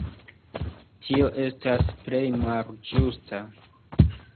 Tio estas plej malĝusta.